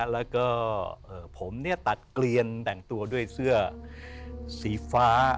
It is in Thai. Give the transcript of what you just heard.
แล้วก็ผมตัดเกลียนแต่งตัวด้วยเสื้อสีฟ้า